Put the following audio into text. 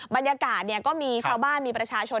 บรรยากาศก็มีชาวบ้านมีประชาชน